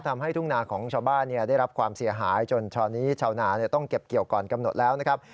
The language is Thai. ทุ่งนาของชาวบ้านได้รับความเสียหายจนตอนนี้ชาวนาต้องเก็บเกี่ยวก่อนกำหนดแล้วนะครับ